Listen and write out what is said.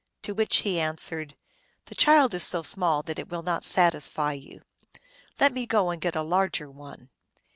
To which he answered, " The child is so small that it will not satisfy you. Let me go and get a larger one."